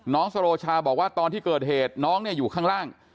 สโรชาบอกว่าตอนที่เกิดเหตุน้องอยู่ข้างล่าง